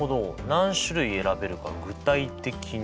何種類選べるか具体的にね。